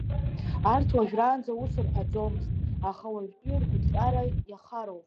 Арҭ уажәраанӡа ус рҳәаӡомызт, аха уажәтәи ргәыҭҟьара иахароуп.